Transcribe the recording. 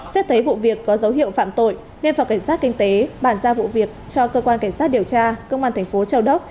xét thấy vụ việc có dấu hiệu phạm tội nên phòng cảnh sát kinh tế bàn ra vụ việc cho cơ quan cảnh sát điều tra công an thành phố châu đốc